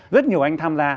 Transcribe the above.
rất nhiều anh tham gia